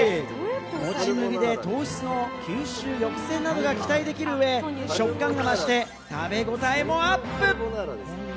もち麦で糖質の吸収抑制などが期待できる上、食感が増して、食べごたえもアップ！